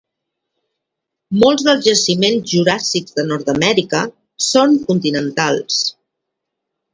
Molts dels jaciments juràssics de Nord-amèrica són continentals.